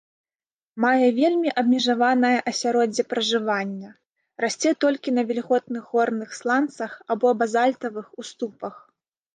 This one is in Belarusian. Мае вельмі абмежаванае асяроддзе пражывання, расце толькі на вільготных горных сланцах або базальтавых уступах.